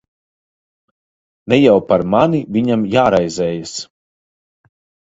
Ne jau par mani viņam jāraizējas.